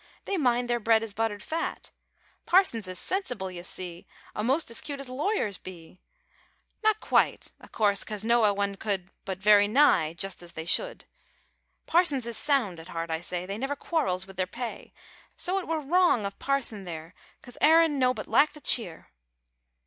They mind their bread is buttered fat. Parsons is sensible you see, O'most as cute as lawyers be, Not quite a course coz noa one could But very nigh just as they should. Parsons is sound at heart, I say, They never quarrels wi' their pay, Soa it wor wrong of Parson theer, Coz Aaron nobbut lacked a cheer.